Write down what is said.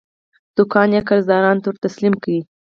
دوکان یې قرضدارانو ته ورتسلیم کړ.